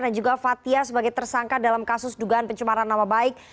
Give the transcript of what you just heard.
dan juga fathia sebagai tersangka dalam kasus dugaan pencemaran nama baik